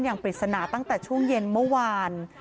ปริศนาตั้งแต่ช่วงเย็นเมื่อวาน